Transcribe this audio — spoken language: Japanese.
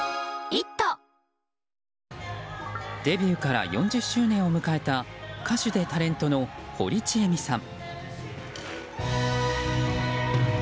デビューから４０周年を迎えた歌手でタレントの堀ちえみさん。